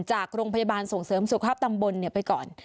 จากโรงพยาบาลส่งเสริมสุขภาพตำบลไปก่อน